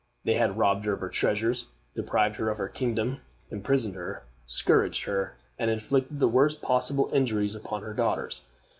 They had robbed her of her treasures, deprived her of her kingdom, imprisoned her, scourged her, and inflicted the worst possible injuries upon her daughters.